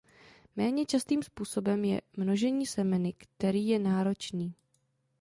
Méně častým způsobem je množení semeny který je náročný.